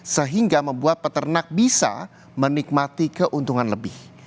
sehingga membuat peternak bisa menikmati keuntungan lebih